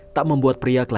tak membuat pria kelas satu